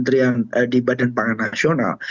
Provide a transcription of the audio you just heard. dan di badan pangan nasional